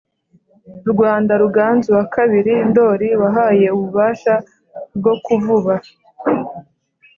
rwanda ruganzu wa kabiri ndori wahaye ububasha bwo kuvuba